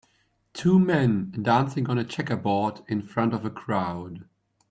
two men dancing on a checkerboard in front of a crowd